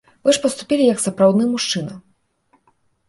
Вы ж паступілі як сапраўдны мужчына!